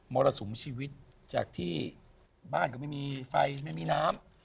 รสุมชีวิตจากที่บ้านก็ไม่มีไฟไม่มีน้ำ